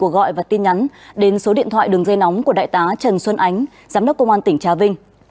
giám đốc công an tỉnh trà vinh